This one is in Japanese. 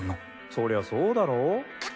そりゃそうだろ？